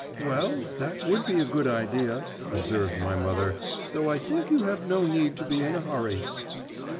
'Well, that would be a good idea,' observed my mother; 'though I think you have no need to be in a hurry.